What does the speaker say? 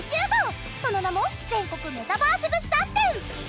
その名も全国メタバース物産展。